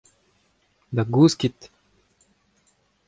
Da gousket !